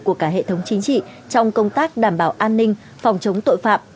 của cả hệ thống chính trị trong công tác đảm bảo an ninh phòng chống tội phạm